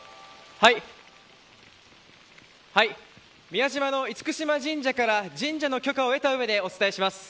宮島の厳島神社から神社の許可を得た上でお伝えします。